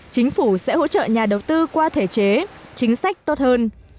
chính phủ sẽ hỗ trợ nhà đầu tư qua thể chế chính sách tốt hơn